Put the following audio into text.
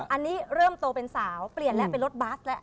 อันนี้เริ่มโตเป็นสาวเปลี่ยนแล้วเป็นรถบัสแล้ว